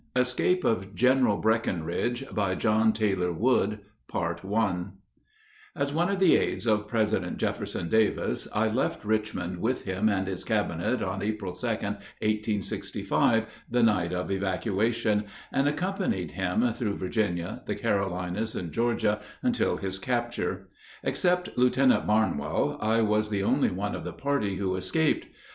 ESCAPE OF GENERAL BRECKINRIDGE BY JOHN TAYLOR WOOD As one of the aides of President Jefferson Davis, I left Richmond with him and his cabinet on April 2, 1865, the night of evacuation, and accompanied him through Virginia, the Carolinas, and Georgia, until his capture. Except Lieutenant Barnwell, I was the only one of the party who escaped.